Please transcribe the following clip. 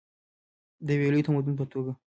د یو لوی تمدن په توګه.